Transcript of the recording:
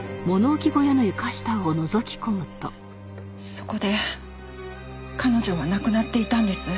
そこで彼女は亡くなっていたんです。